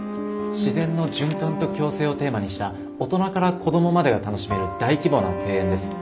自然の循環と共生をテーマにした大人から子どもまでが楽しめる大規模な庭園です。